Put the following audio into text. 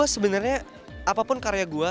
sebenarnya apapun karya gue